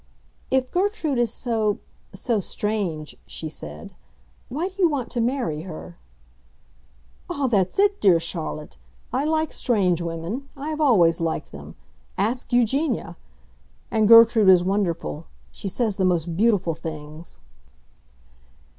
"If Gertrude is so—so strange," she said, "why do you want to marry her?" "Ah, that's it, dear Charlotte! I like strange women; I always have liked them. Ask Eugenia! And Gertrude is wonderful; she says the most beautiful things!"